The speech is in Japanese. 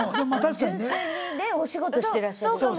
純粋にねお仕事してらっしゃる方も。